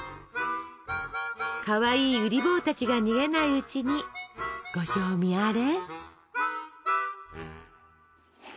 かわいいうり坊たちが逃げないうちにご賞味あれ！